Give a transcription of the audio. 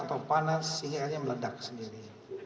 atau panas sehingga akhirnya meledak sendiri